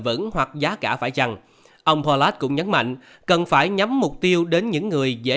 vẫn hoặc giá cả phải chăng ông vallad cũng nhấn mạnh cần phải nhắm mục tiêu đến những người dễ